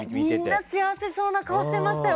みんな幸せそうな顔でしたね。